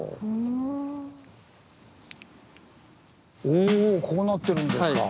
おこうなってるんですか。